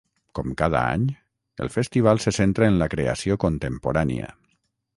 Com cada any, el festival se centra en la creació contemporània.